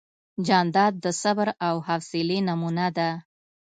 جانداد د صبر او حوصلې نمونه ده.